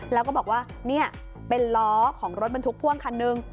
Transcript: แล้วก็บอกว่านี่เป็นล้อของรถบรรทุกพ่วงคันหนึ่ง